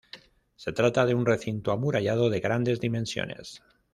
Se trata de un recinto amurallado de grandes dimensiones.